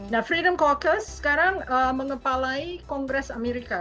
nah freedom calkers sekarang mengepalai kongres amerika